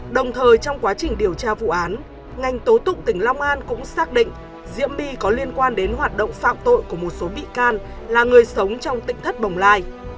đồng thời trong quá trình điều tra vụ án ngành tố tụng tỉnh long an cũng xác định diễm my có liên quan đến hoạt động phạm tội của một số bị can là người sống trong tỉnh thất bồng lai